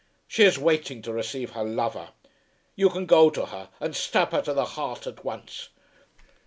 She is waiting to receive her lover. You can go to her, and stab her to the heart at once.